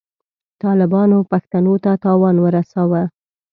طالبانو پښتنو ته تاوان ورساوه.